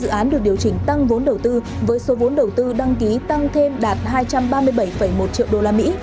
đầu tư nước ngoài được điều chỉnh tăng vốn đầu tư với số vốn đầu tư đăng ký tăng thêm đạt hai trăm ba mươi bảy một triệu usd